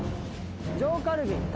上カルビ。